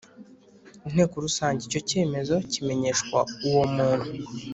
Inteko Rusange Icyo cyemezo kimenyeshwa uwomuntu